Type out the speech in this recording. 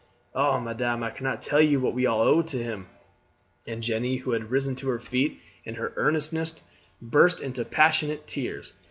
Oh, madame, I cannot tell you what we all owe to him;" and Jeanne, who had risen to her feet in her earnestness, burst into passionate tears.